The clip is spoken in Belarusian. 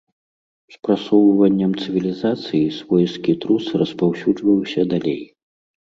З прасоўваннем цывілізацыі свойскі трус распаўсюджваўся далей.